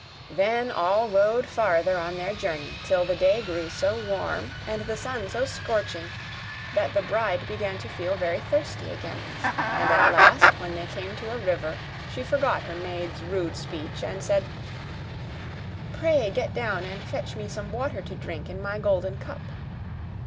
Then all rode farther on their journey, till the day grew so warm, and the sun so scorching, that the bride began to feel very thirsty again; and at last, when they came to a river, she forgot her maid's rude speech, and said, 'Pray get down, and fetch me some water to drink in my golden cup.